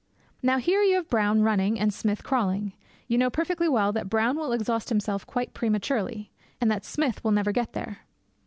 Now here you have Brown running and Smith crawling. You know perfectly well that Brown will exhaust himself quite prematurely, and that Smith will never get there.